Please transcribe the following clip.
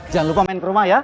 jangan lupa main ke rumah ya